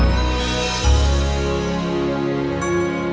sampai jumpa di video selanjutnya